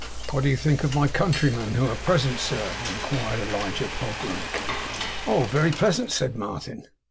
'What do you think of my countrymen who are present, sir?' inquired Elijah Pogram. 'Oh! very pleasant,' said Martin.